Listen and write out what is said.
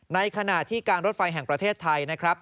ในขณะที่การรถไฟแห่งประเทศไทยนะครับ